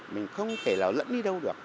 mình không thể nào lẫn đi đâu được